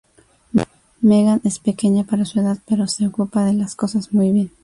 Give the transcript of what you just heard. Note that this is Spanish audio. Megan es pequeña para su edad, pero se ocupa de las cosas muy bien.